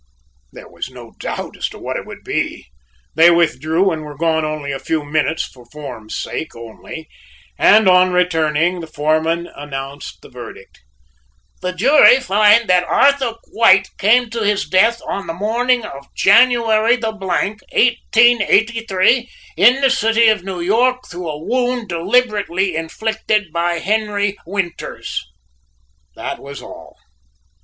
There was no doubt as to what it would be. They withdrew and were gone a few minutes for form's sake only and on returning the foreman announced the verdict: "The jury find that Arthur White came to his death on the morning of January the , 1883, in the city of New York, through a wound deliberately inflicted by Henry Winters." That was all.